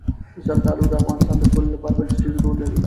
زردالو د افغانستان د ټولنې لپاره بنسټيز رول لري.